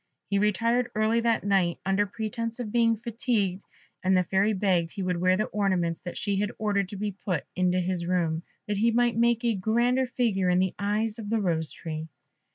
He retired early that night, under pretence of being fatigued, and the Fairy begged he would wear the ornaments that she had ordered to be put into his room, that he might make a grander figure in the eyes of the Rose tree.